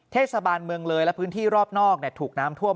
เทศบาลเมืองเลยและพื้นที่รอบนอกถูกน้ำท่วม